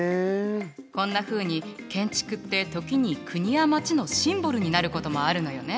こんなふうに建築って時に国や町のシンボルになることもあるのよね。